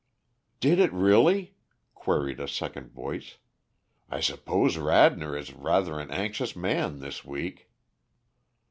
"Did it really?" queried a second voice. "I suppose Radnor is rather an anxious man this week."